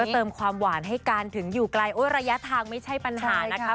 เติมความหวานให้กันถึงอยู่ไกลโอ้ระยะทางไม่ใช่ปัญหานะคะ